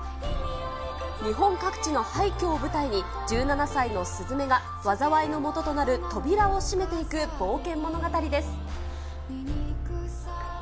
日本各地の廃虚を舞台に、１７歳のすずめが、災いの元となる扉を閉めていく冒険物語です。